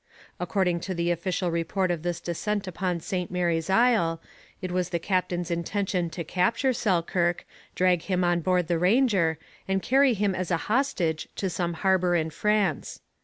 According to the official report of this descent upon St Mary's Isle, it was the captain's intention to capture Selkirk, drag him on board the Ranger, and carry him as a hostage to some harbour in France.